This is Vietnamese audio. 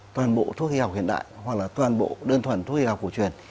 toàn bộ thuốc y học hiện đại hoặc là toàn bộ đơn thuần thuốc y học cổ truyền